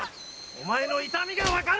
お前の痛みが分かるからだ！